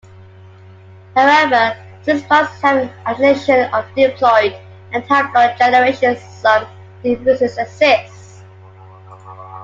However, since plants have an alternation of diploid and haploid generations some differences exist.